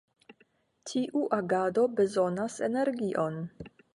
Tiu agado bezonas energion.